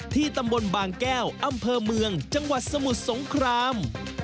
ตำบลบางแก้วอำเภอเมืองจังหวัดสมุทรสงคราม